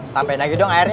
tambahin lagi dong airnya